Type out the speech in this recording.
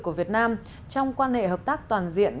của việt nam trong quan hệ hợp tác toàn diện